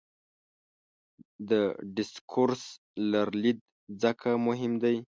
د ډسکورس لرلید ځکه مهم دی.